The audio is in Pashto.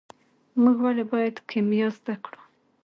موږ ولې باید کیمیا زده کړو.